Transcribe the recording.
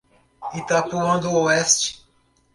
Itapuã do Oeste